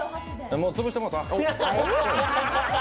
もう潰してもうた。